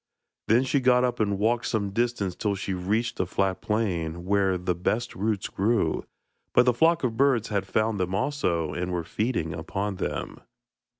Then she got up and walked some distance till she reached a flat plain, where the best roots grew, but the flock of birds had found them out also, and were feeding upon them.